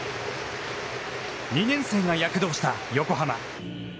２年生が躍動した横浜。